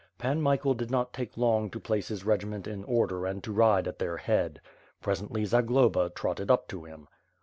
Pan Michael did not take long to place his regiment in order and to ride at their head. Presently, Zagloba trotted up to him.